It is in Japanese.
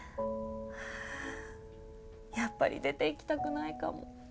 やっぱり出ていきたくないかも。